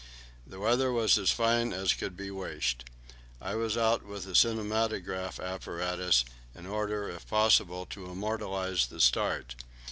The weather was as fine as could be wished. I was out with the cinematograph apparatus, in order if possible to immortalize the start.